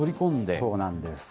そうなんです。